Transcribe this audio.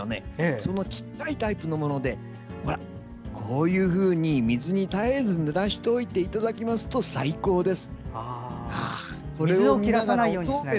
その小さいタイプのもので水に絶えずぬらしておいていただきますと最高です。